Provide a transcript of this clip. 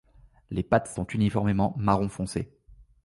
Les pattes sont uniformément marron foncé.